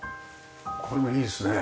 これもいいですね。